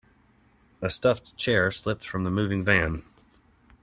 A stuffed chair slipped from the moving van.